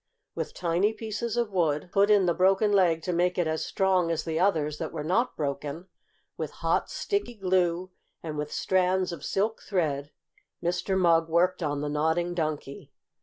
With tiny pieces of wood, put in the broken leg to make it as strong as the others that were not broken, with hot, sticky glue, and with strands of silk thread, Mr. Mugg worked on the Nodding Donkey.